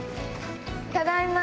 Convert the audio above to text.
ただいま！